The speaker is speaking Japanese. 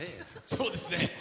そうですね。